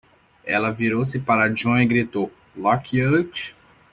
Ela virou-se para John e gritou? "Look Out!"